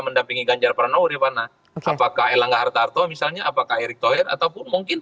mendampingi ganjarpranowo di mana apakah elangga hartarto misalnya apakah erik tohir ataupun mungkin